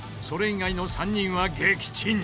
それ以外の３人は撃沈。